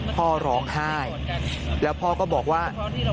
พ่อร้องไห้แล้วพ่อก็บอกว่า